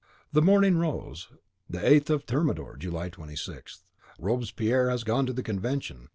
The morning rose, the 8th of Thermidor (July 26). Robespierre has gone to the Convention.